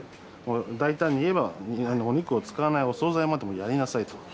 大胆にいえば、お肉を使わないお総菜までやりなさいと。